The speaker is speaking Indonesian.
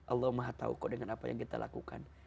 allah maha tahu kok dengan apa yang kita lakukan